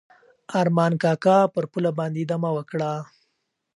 ارمان کاکا پر پوله باندې دمه وکړه.